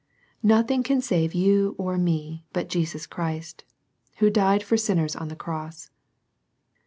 Nothing can save you or me but Jesus Christ, who died for sinners on the cross.